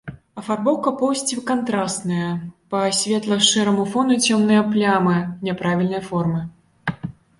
Афарбоўка поўсці кантрасная, па светла-шэраму фону цёмныя плямы няправільнай формы.